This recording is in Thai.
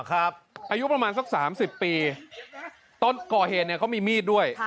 ครับอายุประมาณสักสามสิบปีต้นก่อเหตุเนี่ยเขามีมีดด้วย